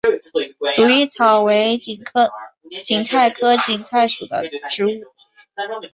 如意草为堇菜科堇菜属的植物。